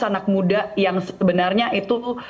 anak muda yang sebenarnya itu